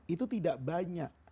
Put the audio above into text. itu tidak banyak